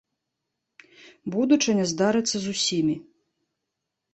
Будучыня здарыцца з усімі!